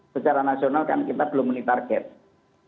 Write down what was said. secara nasional kan kita belum menitarkan itu ya kan